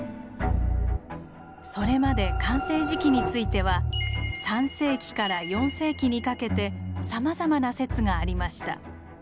それまで完成時期については３世紀から４世紀にかけてさまざまな説がありました。